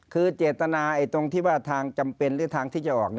คือเจตนาตรงที่ว่าทางจำเป็นหรือทางที่จะออก